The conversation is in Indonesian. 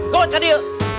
kau ada ya